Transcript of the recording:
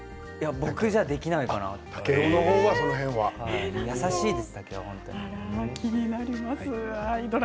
僕じゃできないかな竹雄は優しいです。